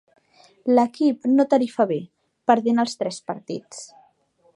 L'equip no tarifa bé, perdent els tres partits.